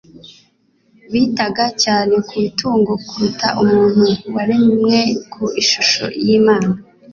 Bitaga cyane ku itungo kuruta umuntu waremwe ku ishusho y'Imana,